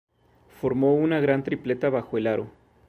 Formó una gran tripleta bajo el aro.